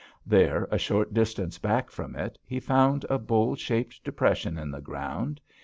There, a short distance back from it, he found a bowl shaped depression in the ground.